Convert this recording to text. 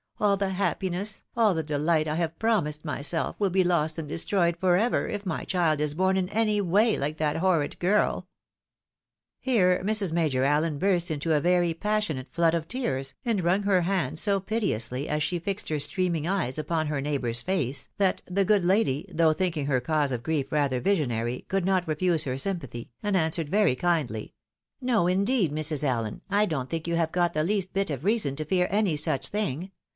aU the happiness, aU the dehght I have promised myself, will be lost and destroyed for ever, if my child is bom in any way like that horrid girl !" Here Mrs. Major Allen burst into a very passionate flood of tears, and wrung her hands so piteously, as she fixed her streaming eyes upon her neighbour's fece, that the good lady, A QUESTION OF RESEMBLANCE. 7 though thinking her cause of grief rather visionary, could not refuse her sympathy, and answered very kindly, " No, indeed, Mrs. Allen, I don't think you have got the least bit of reason to fear any such tiling.